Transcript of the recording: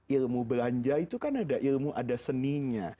ilmu belanja itu kan ada ilmu ada seninya